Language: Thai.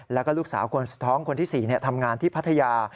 แล้วก็ลูกสาวคนสุดท้องคนที่๔ทำงานที่พัทยา